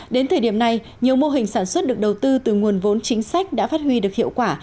đến thời điểm này nhiều mô hình sản xuất được đầu tư từ nguồn vốn chính sách đã phát huy được hiệu quả